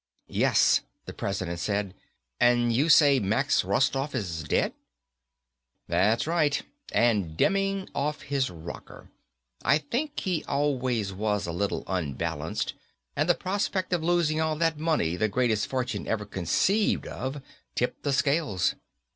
"Yes," the President said. "And you say Max Rostoff is dead?" "That's right. And Demming off his rocker. I think he always was a little unbalanced and the prospect of losing all that money, the greatest fortune ever conceived of, tipped the scales."